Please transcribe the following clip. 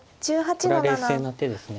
これは冷静な手です。